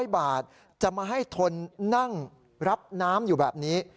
๐บาทจะมาให้ทนนั่งรับน้ำอยู่แบบนี้